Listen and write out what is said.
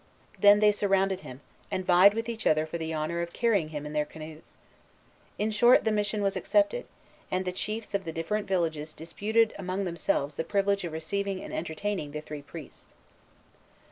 Then they surrounded him, and vied with each other for the honor of carrying him in their canoes. In short, the mission was accepted; and the chiefs of the different villages disputed among themselves the privilege of receiving and entertaining the three priests.